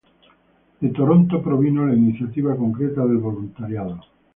De Toronto provino la iniciativa concreta del voluntariado.